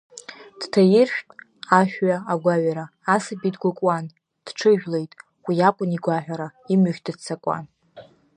Дҭаиршәт ашә ҩа агәаҩара, асаби дгәыкуан, дҽыжәлеит, уи акәын игәаҳәара, имҩахь дыццакуан.